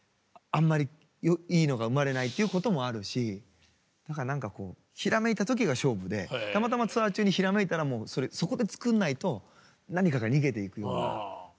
あんまりいいのが生まれないっていうこともあるしだから何かこうひらめいた時が勝負でたまたまツアー中にひらめいたらそこで作んないと何かが逃げていくような。